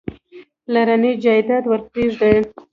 پلرنی جایداد ورپرېږدي.